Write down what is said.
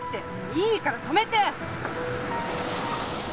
いいから止めて！